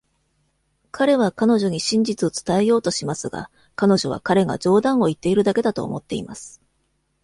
彼は彼女に真実を伝えようとしますが、彼女は彼が冗談を言っているだけだと思っています。